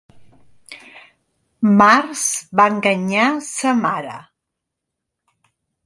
Març va enganyar sa mare.